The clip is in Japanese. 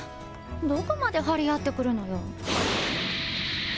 どこまで張り合ってくるのよ。